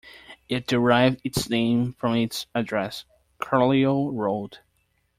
It derived its name from its address, Carlyle Road.